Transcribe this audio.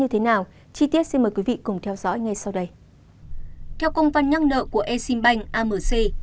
theo công văn nhắc nợ của exim bank amc